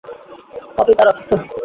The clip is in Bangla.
পাপি তার অফিসে।